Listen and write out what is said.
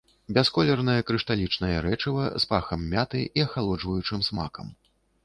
Бясколернае крышталічнае рэчыва з пахам мяты і ахалоджваючым смакам.